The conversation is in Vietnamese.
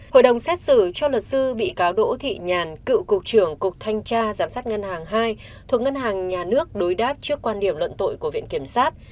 hội đồng xét xử cho luật sư bị cáo đỗ thị nhàn cựu cục trưởng cục thanh tra giám sát ngân hàng hai thuộc ngân hàng nhà nước đối đáp trước quan điểm luận tội của viện kiểm sát